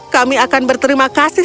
kami akan berterima kasih